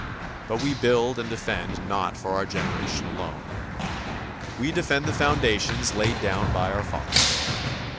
But we build and defend not for our generation alone. We defend the foundations laid down by our fathers.